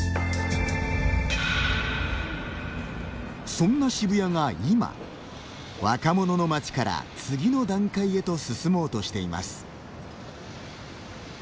そんな渋谷が今、若者の街から次の段階へと進もうとしています。